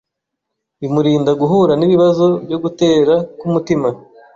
bimurinda guhura n’ibibazo byo gutera k’umutima.